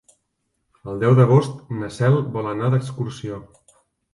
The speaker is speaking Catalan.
El deu d'agost na Cel vol anar d'excursió.